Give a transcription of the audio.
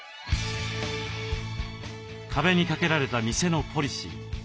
壁に掛けられた店のポリシー。